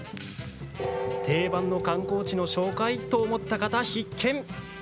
定番の観光地の紹介？と思った方、必見。